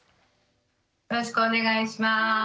よろしくお願いします。